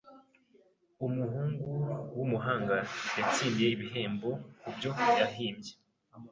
Umuhungu wumuhanga yatsindiye igihembo kubyo yahimbye.